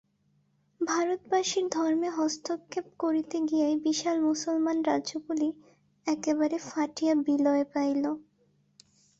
ভারতবাসীর ধর্মে হস্তক্ষেপ করিতে গিয়াই বিশাল মুসলমান রাজ্যগুলি একেবারে ফাটিয়া বিলয় পাইল।